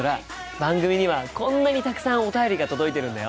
番組にはこんなにたくさんお便りが届いているんだよ。